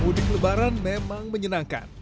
mudik lebaran memang menyenangkan